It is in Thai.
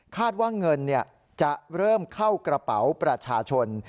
ว่าเงินจะเริ่มเข้ากระเป๋าประชาชน